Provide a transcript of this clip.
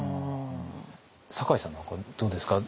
酒井さんなんかどうですか？